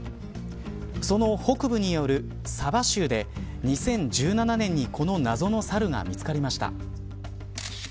その北部にあるサバ州で２０１７年にこの謎のサルが見つかりました。